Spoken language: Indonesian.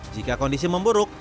jika kondisi memburuk